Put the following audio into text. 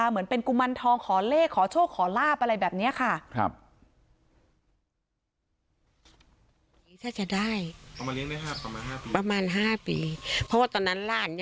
เหมือนเป็นกุมารทองขอเลขขอโชคขอลาบอะไรแบบนี้ค่ะ